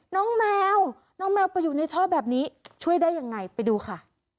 น้องแมวน้องแมวไปอยู่ในท่อแบบนี้ช่วยได้ยังไงไปดูค่ะ